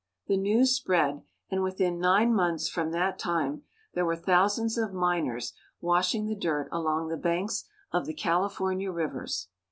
The news spread, and within nine months from that time there were thousands of miners washing the dirt along the banks of the California rivers.